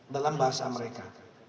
dalam bahasa amerika